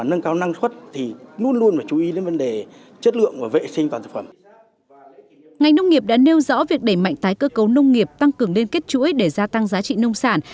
ngành nông nghiệp đã nêu rõ việc đẩy mạnh tái cơ cấu nông nghiệp tăng cường lên kết chuỗi để gia tăng giá trị nông sản